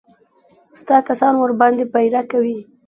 ستا کسان ورباندې پيره کوي.